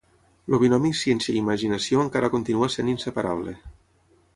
El binomi ciència i imaginació encara continua sent inseparable.